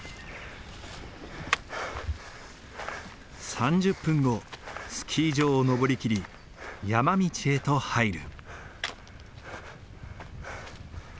３０分後スキー場を登り切り山道へと入る。